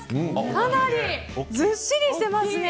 かなりずっしりしてますね。